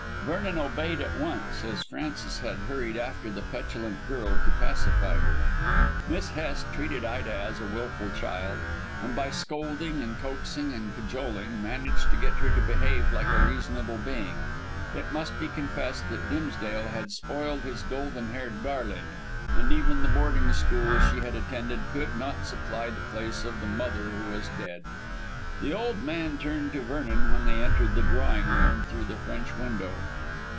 Vernon obeyed at once, as Frances had hurried after the petulant girl to pacify her. Miss Hest treated Ida as a wilful child, and by scolding and coaxing and cajoling managed to get her to behave like a reasonable being. It must be confessed that Dimsdale had spoiled his golden haired darling, and even the boarding school she had attended could not supply the place of the mother, who was dead. The old man turned to Vernon when they entered the drawing room through the French window.